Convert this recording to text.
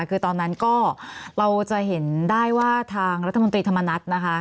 คือตอนนั้นก็เราจะเห็นได้ว่าทางรัฐมนตรีธรรมนัฐนะคะ